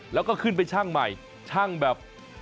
แล้วก็ขึ้นไปช่างใหม่ช่างแบบ